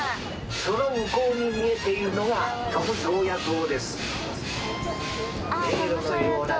その向こうに見えているのがトムソーヤ島です。